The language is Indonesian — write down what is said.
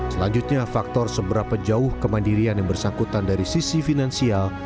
selanjutnya faktor seberapa jauh kemandirian yang bersangkutan dari sisi finansial